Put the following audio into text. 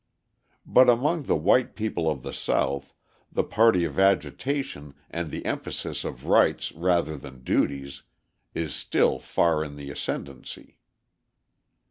But among the white people of the South the party of agitation and the emphasis of rights rather than duties is still far in the ascendency.